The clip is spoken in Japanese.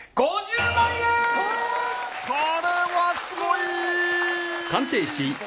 これはすごい！